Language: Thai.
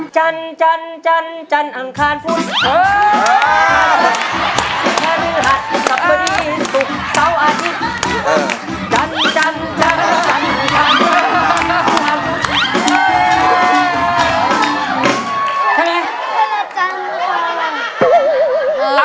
จันทร์จันทร์จันทร์อังคารฟุเวอร์